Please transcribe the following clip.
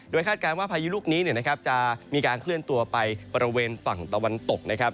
คาดการณ์ว่าพายุลูกนี้จะมีการเคลื่อนตัวไปบริเวณฝั่งตะวันตกนะครับ